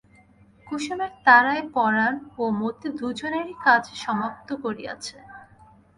কুসুমের তাড়ায় পরাণ ও মতি দুজনেই কাজ সমাপ্ত করিয়াছে।